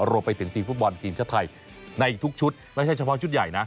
รวมไปถึงทีมฟุตบอลทีมชาติไทยในทุกชุดไม่ใช่เฉพาะชุดใหญ่นะ